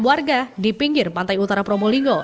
warga di pinggir pantai utara probolinggo